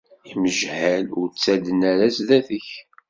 Imejhal ur ttadden ara sdat-k.